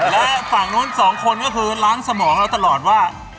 และฝั่งนู้นสองคนก็คือล้างสมองเราตลอดว่า